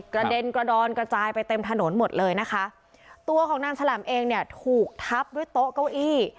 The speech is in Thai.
กระเด็นกระดอนกระจายไปเต็มถนนหมดเลยนะคะตัวของนางฉลามเองเนี่ยถูกทับด้วยโต๊ะเก้าอี้